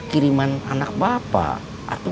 kiriman anak bapak atau untuk bapak